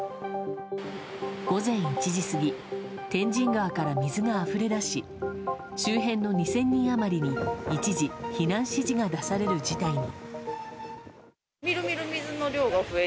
午前１時すぎ天神川から水があふれ出し周辺の２０００人余りに一時、避難指示が出される事態に。